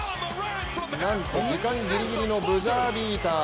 なんと時間ギリギリのブザービーター。